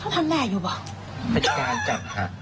ทำได้อยู่หรือเปล่า